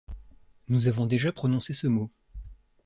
Nous avons déjà prononcé ce mot.